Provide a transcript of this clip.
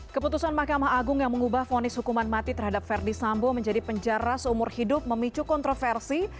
keputusan mahkamah agung yang mengubah fonis hukuman mati terhadap verdi sambo menjadi penjara seumur hidup memicu kontroversi